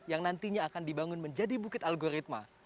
yang nantinya akan dibangun menjadi bukit algoritma